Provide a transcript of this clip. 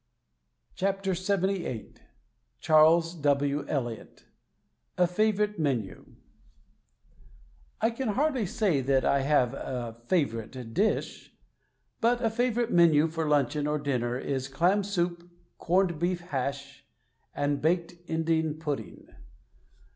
THE STAG COOK BOOK LXXVIII Charles W, Eliot A FAVORITE MENU I can hardly say that I have a "favorite dish." But a favorite menu for luncheon or dinner is clam soup, corned beef hash, and baked Indian pudding.